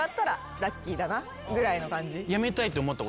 ぐらいの感じ。